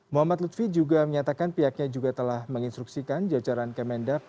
muhammad lutfi juga menyatakan pihaknya juga telah menginstruksikan jajaran kemendak